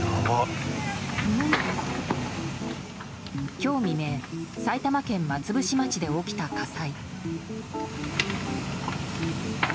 今日未明埼玉県松伏町で起きた火災。